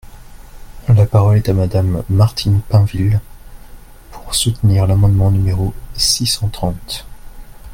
La parole est à Madame Martine Pinville, pour soutenir l’amendement numéro six cent trente.